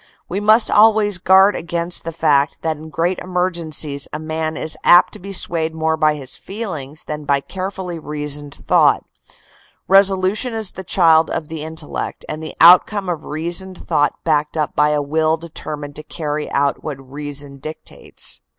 We must always guard against the fact that in great emergencies a man is apt to be swayed more by his feelings than by carefully reasoned thought. Resolution is the child of the intellect and the outcome of reasoned thought backed up by a will deter mined to carry out what reason dictates. ..